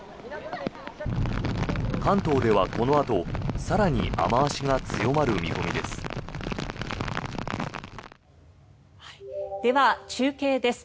関東ではこのあと更に雨脚が強まる見込みです。